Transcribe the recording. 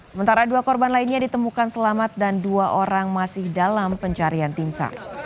sementara dua korban lainnya ditemukan selamat dan dua orang masih dalam pencarian tim sar